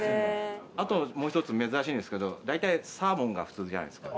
あともう一つ珍しいんですけど大体サーモンが普通じゃないですか。